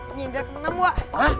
ini indah ke enam wk